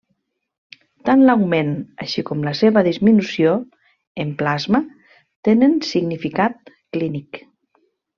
Tant l'augment, així com la seva disminució en plasma tenen significat clínic.